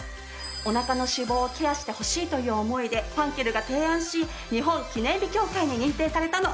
おなかの脂肪をケアしてほしいという思いでファンケルが提案し日本記念日協会に認定されたの。